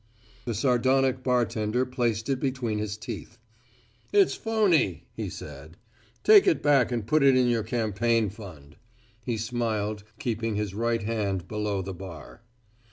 The sardonic bartender placed it between his teeth. "It's phony," said he. "Take it back and put it in your campaign fund." He smiled, keeping his right hand below the bar.